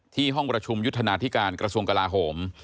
ห้องประชุมยุทธนาธิการกระทรวงกลาโหม